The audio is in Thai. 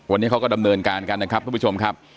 วันนี้เขาก็ดำเนินการกันนะครับทุกผู้ชมครับ